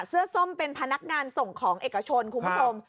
ส้มเป็นพนักงานส่งของเอกชนคุณผู้ชม